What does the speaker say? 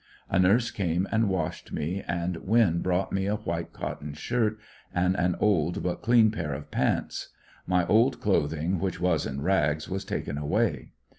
A nurse came and washed me, and Winn brought me a white cotton shirt, and an old but clean pair of pants; my old clothing, which was in rags, was taken away.